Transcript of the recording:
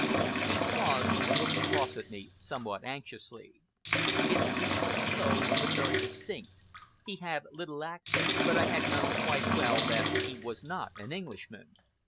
He paused and looked across at me somewhat anxiously. His speech was slow but very distinct. He had little accent, but I had known quite well that he was not an Englishman.